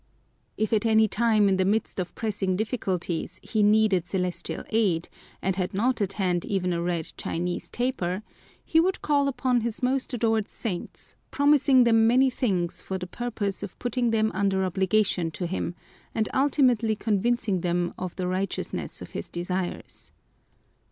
If at any time in the midst of pressing difficulties he needed celestial aid and had not at hand even a red Chinese taper, he would call upon his most adored saints, promising them many things for the purpose of putting them under obligation to him and ultimately convincing them of the righteousness of his desires.